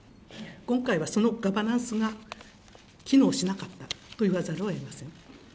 今回はそのガバナンスが機能しなかったと言わざるをえません。